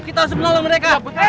kita harus menolong mereka